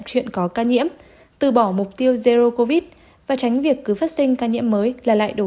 chuyện có ca nhiễm từ bỏ mục tiêu zero covid và tránh việc cứ phát sinh ca nhiễm mới là lại đầu